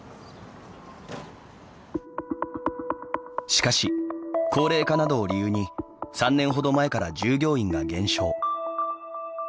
しかし高齢化などを理由に３年ほど前から従業員が減少。